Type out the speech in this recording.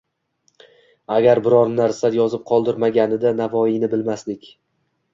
Agar biron narsa yozib qoldirmaganida Navoiyni bilmasdik.